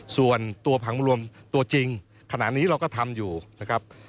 ส่วนตัวพังรวมตัวจริงขณะนี้เราก็ทำอยู่นะครับ